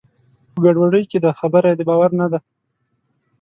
په ګډوډۍ کې دی؛ خبره یې د باور نه ده.